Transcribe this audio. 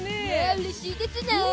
うれしいですな！